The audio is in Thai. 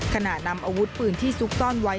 นำอาวุธปืนที่ซุกซ่อนไว้